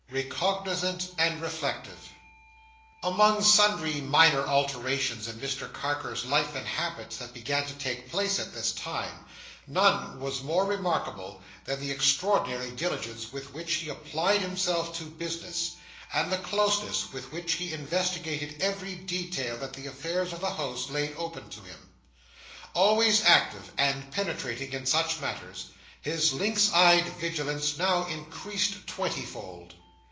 Recognizant and Reflective Among sundry minor alterations in Mr Carker's life and habits that began to take place at this time, none was more remarkable than the extraordinary diligence with which he applied himself to business, and the closeness with which he investigated every detail that the affairs of the House laid open to him. Always active and penetrating in such matters, his lynx eyed vigilance now increased twenty fold.